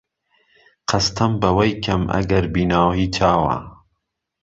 قەستەم به وهی کهم ئەگهر بیناهی چاوه